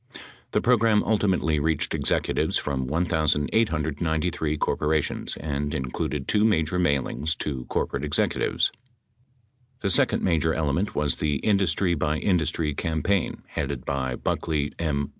The program ultimately reached executives from 1893 corporations and included two major mailings to corporate executives. The second major element was the industry by industry campaign headed by Buckley M.